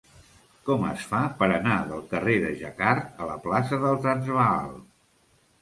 Com es fa per anar del carrer de Jacquard a la plaça del Transvaal?